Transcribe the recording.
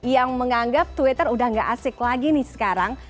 yang menganggap twitter udah gak asik lagi nih sekarang